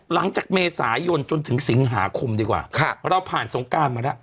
หลังจากเมษายนจนถึงสิงหาคมดีกว่าเราผ่านสงการมาแล้ว